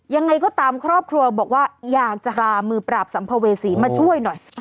ยังไงก็ตามครอบครัวบอกว่าอยากจะหามือปราบสัมภเวษีมาช่วยหน่อย